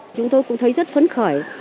chúng tôi cũng thấy rất phấn khởi